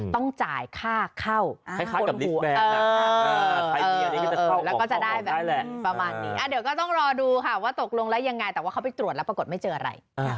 ต้องจ่ายค่าเข้า